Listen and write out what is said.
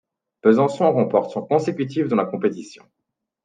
Besançon remporte son consécutif dans la compétition.